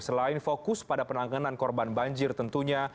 selain fokus pada penanganan korban banjir tentunya